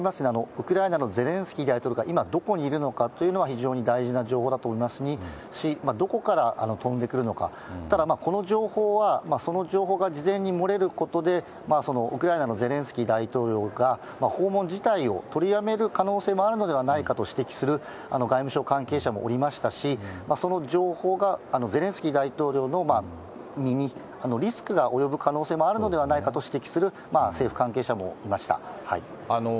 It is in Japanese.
ウクライナのゼレンスキー大統領が今どこにいるのかというのは非常に大事な情報だと思いますし、どこから飛んでくるのか、ただ、この情報は、その情報が事前に漏れることで、ウクライナのゼレンスキー大統領が、訪問自体を取りやめる可能性もあるのではないかと指摘する外務省関係者もおりましたし、その情報がゼレンスキー大統領の身にリスクがおよぶ可能性もあるのではないかと指摘する政府関係者もいました。